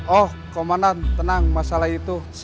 oh komandan tenang masalah itu saya handle aman